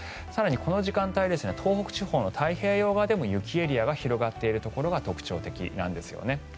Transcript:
更にこの時間帯、東北地方の太平洋側でも雪エリアが広がっているところが特徴的なんですよね。